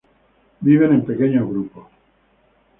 Viven en pequeños grupos.